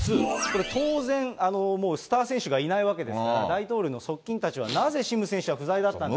当然、もうスター選手がいないわけですから、大統領の側近たちはなぜシム選手は不在だったんだと。